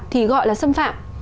thì gọi là xâm phạm